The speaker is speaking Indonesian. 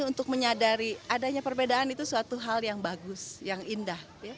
untuk menyadari adanya perbedaan itu suatu hal yang bagus yang indah